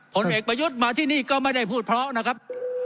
ผลเอกประยุทธ์มาที่นี่ก็ไม่ได้พูดเพราะนะครับ